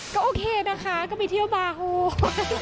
ก็โอเคนะคะก็ไปเที่ยวบาร์โฮ